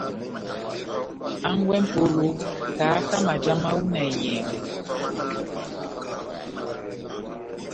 Hangwɛ M'polo, kahaka maja mahu na enyɛngɛ.